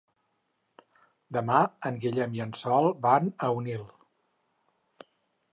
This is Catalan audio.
Demà en Guillem i en Sol van a Onil.